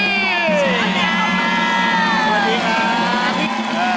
สวัสดีค่ะ